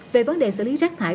về vấn đề xử lý rác thải